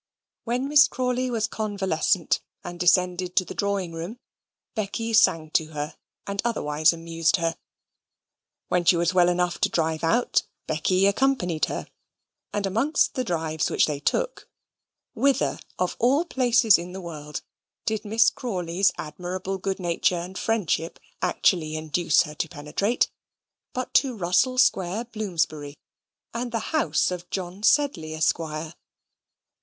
When Miss Crawley was convalescent and descended to the drawing room, Becky sang to her, and otherwise amused her; when she was well enough to drive out, Becky accompanied her. And amongst the drives which they took, whither, of all places in the world, did Miss Crawley's admirable good nature and friendship actually induce her to penetrate, but to Russell Square, Bloomsbury, and the house of John Sedley, Esquire.